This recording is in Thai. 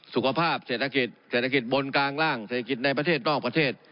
สุขภาพเศรษฐกิจเศรษฐกิจบนกลางร่างเศรษฐกิจในประเทศนอกประเทศ